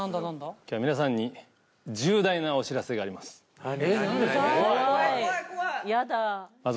きょうは皆さんに、重大なお知らせがあります。